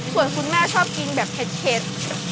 ส่วนคุณแม่ชอบกินแบบเผ็ด